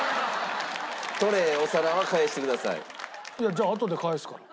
じゃああとで返すから。